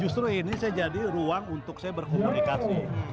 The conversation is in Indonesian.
justru ini saya jadi ruang untuk saya berkomunikasi